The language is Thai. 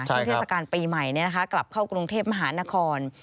ใช่ครับทศการปีใหม่เนี่ยนะคะกลับเข้ากรุงเทพมหานคร